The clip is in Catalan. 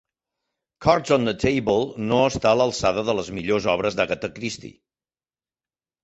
"Cards on the Table" no està a l'alçada de les millors obres d'Agatha Christie.